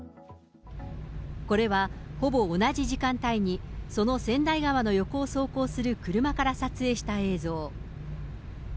これはほぼ同じ時間帯に、その千代川の横を走行する車から撮影した映像。